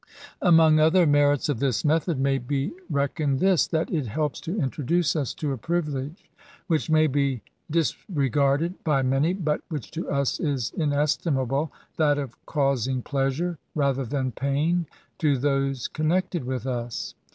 Among other merits of this method, may be 220 BSSATS. reckoned this— that it helps to introduce us to a privilege which may be disregarded by many^ but which to us is inestimable — ^that of causing pleasure, rather than pam, to those connected with us.